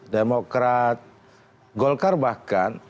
demokrat golkar bahkan